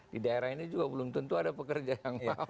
di daerah ini juga belum tentu ada pekerja yang